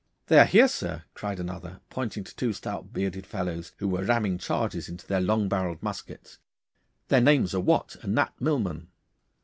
'They are here, sir,' cried another, pointing to two stout, bearded fellows, who were ramming charges into their long barrelled muskets. 'Their names are Wat and Nat Millman.